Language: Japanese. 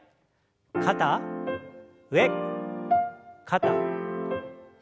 肩上肩下。